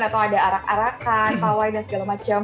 atau ada arak arakan pawai dan segala macam